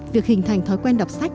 việc hình thành thói quen đọc sách